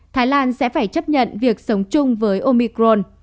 thái lan sẽ phải chấp nhận việc sống chung với omicron